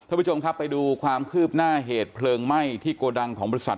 ท่านผู้ชมครับไปดูความคืบหน้าเหตุเพลิงไหม้ที่โกดังของบริษัท